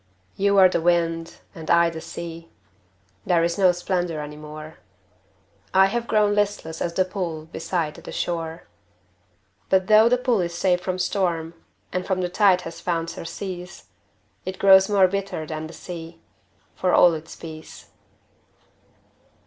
You were the wind and I the sea There is no splendor any more, I have grown listless as the pool Beside the shore. But though the pool is safe from storm And from the tide has found surcease, It grows more bitter than the sea, For all its peace.